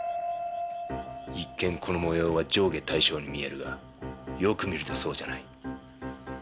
一見この模様は上下対称に見えるがよく見るとそうじゃない。